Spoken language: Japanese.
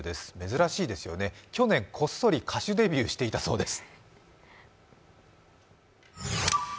珍しいですよね、去年こっそり歌手デビューしていたそうです。